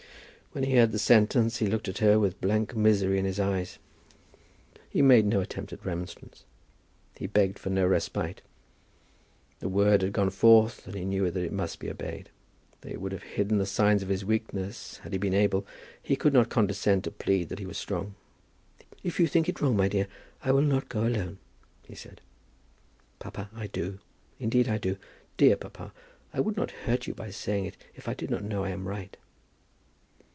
When he heard the sentence he looked at her with blank misery in his eyes. He made no attempt at remonstrance. He begged for no respite. The word had gone forth, and he knew that it must be obeyed. Though he would have hidden the signs of his weakness had he been able, he would not condescend to plead that he was strong. "If you think it wrong, my dear, I will not go alone," he said. "Papa, I do; indeed, I do. Dear papa, I would not hurt you by saying it if I did not know that I am right."